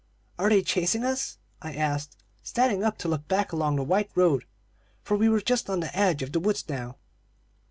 "'Are they chasing us?' I asked, standing up to look back along the white road, for we were just on the edge of the woods now.